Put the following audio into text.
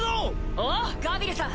おうガビルさん！